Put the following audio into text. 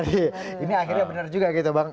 ini akhirnya benar juga gitu bang